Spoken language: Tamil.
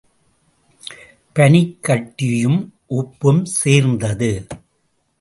பனிக்கட்டியும் உப்பும் சேர்ந்தது.